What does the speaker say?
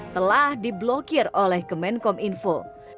telah diblokir oleh kemenkom info